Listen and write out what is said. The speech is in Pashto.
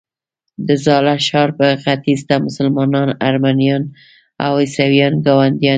د زاړه ښار ختیځ ته مسلمانان، ارمنیان او عیسویان ګاونډیان دي.